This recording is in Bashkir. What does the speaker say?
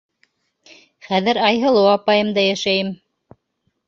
Хәҙер Айһылыу апайымда йәшәйем.